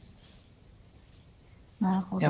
なるほど。